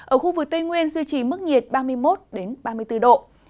ở khu vực tây nguyên duy trì mức nhiệt ba mươi một ba mươi bốn độ